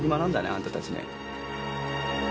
あんたたちね。